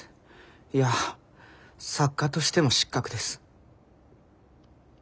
いや作家としても失格です。